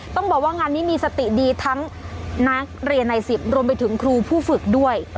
ต้องบอกว่างานนี้มีสติดีทั้งนักเรียนใน๑๐รวมไปถึงครูผู้ฝึกด้วย